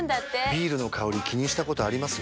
ビールの香り気にしたことあります？